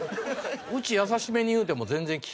うち優しめに言うても全然聞きますよ。